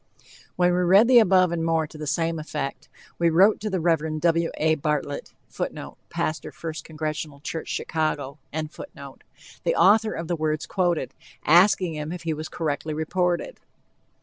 When we read the above and more to the same effect, we wrote to the Rev. W. A. Bartlett, [Footnote: Pastor First Congregational Church, Chicago.] the author of the words quoted, asking him if he was correctly reported.